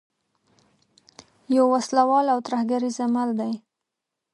یو وسله وال او ترهګریز عمل دی.